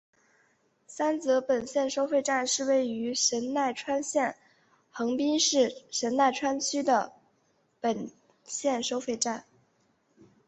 三泽本线收费站是位于神奈川县横滨市神奈川区的本线收费站。